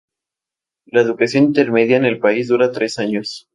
La educación intermedia en el país dura tres años.